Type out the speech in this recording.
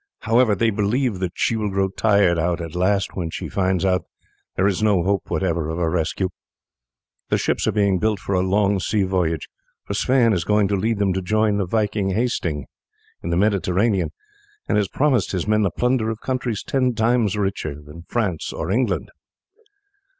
However, they believe that she will grow tired out at last when she finds that there is no hope whatever of a rescue. The ships are being built for a long sea voyage, for Sweyn is going to lead them to join the Viking Hasting in the Mediterranean, and has promised his men the plunder of countries ten times richer than France or England.